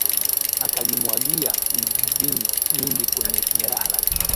Akagimwagia mvinyo mwingi kwenye jeraha lake